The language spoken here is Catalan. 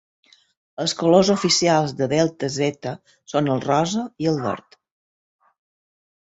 Els colors oficials de Delta Zeta són el rosa i el verd.